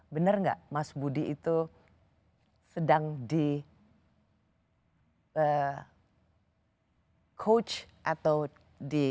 benar nggak mas budi itu sedang di coach atau di